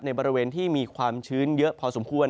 บริเวณที่มีความชื้นเยอะพอสมควร